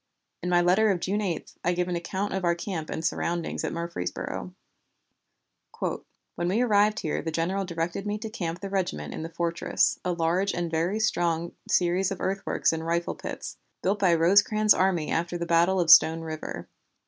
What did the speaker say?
In my letter of June 8, I give an account of our camp and surroundings at Murfreesboro: "When we arrived here the general directed me to camp the regiment in the fortress, a large and very strong series of earthworks and rifle pits, built by Rosecrans's army after the battle of Stone River.